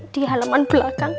di halaman belakang